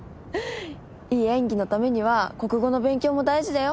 いい演技のためには国語の勉強も大事だよ